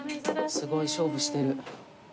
すごい勝負してる。